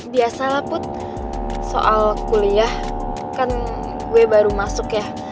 biasalah put soal kuliah kan gue baru masuk ya